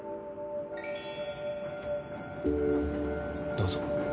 どうぞ。